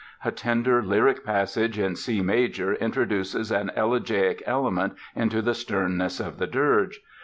A tender lyric passage in C major introduces an elegiac element into the sternness of the dirge.